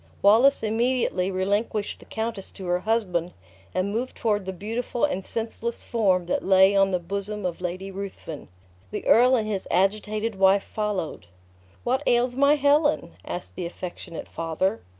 Wallace immediately relinquished the countess to her husband, and moved toward the beautiful and senseless form that lay on the bosom of Lady Ruthven. The earl and his agitated wife followed. "What ails my Helen?" asked the affectionate father.